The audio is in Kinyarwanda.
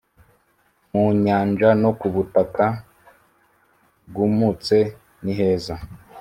mu Nyanja no ku butaka bwumutse niheza